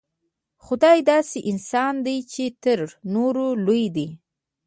خدای داسې انسان دی چې تر نورو لوی دی.